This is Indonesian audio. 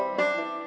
aku akan menembakmu